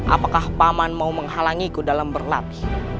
apakah paman mau menghalangiku dalam berlaps